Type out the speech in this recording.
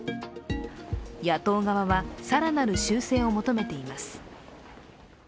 野党側は更なる修正を求めています。